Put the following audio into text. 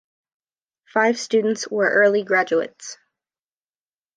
Five students were early graduates.